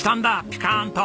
ピカンと！